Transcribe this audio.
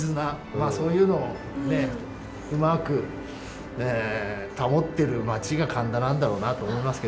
まあそういうのをねうまく保ってる町が神田なんだろうなと思いますけどね。